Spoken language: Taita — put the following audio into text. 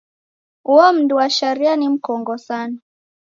Uo mndu wa sharia ni mkongo sana.